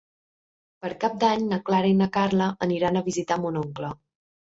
Per Cap d'Any na Clara i na Carla aniran a visitar mon oncle.